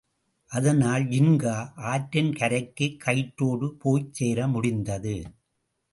அதனால் ஜின்கா ஆற்றின் கரைக்குக் கயிற்றோடு போய்ச் சேர முடிந்தது.